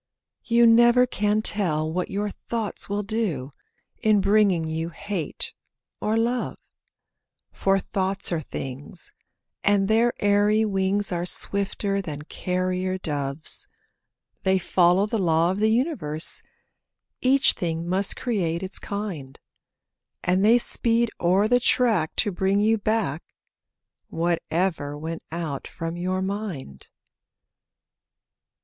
You never can tell what your thoughts will do, In bringing you hate or love; For thoughts are things, and their airy wings Are swifter than carrier doves. They follow the law of the universe— Each thing must create its kind; And they speed o'er the track to bring you back Whatever went out from your mind.